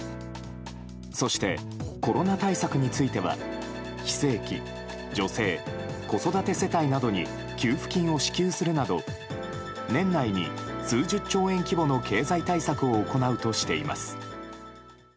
そしてコロナ対策については非正規、女性子育て世帯などに給付金を支給するなど年内に数十兆円規模の経済対策を行うとしています。